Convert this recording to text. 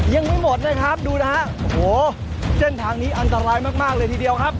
ยังไม่หมดนะครับดูนะฮะโอ้โหเส้นทางนี้อันตรายมากเลยทีเดียวครับ